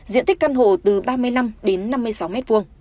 diện tích căn hộ từ ba mươi năm đến năm mươi sáu m hai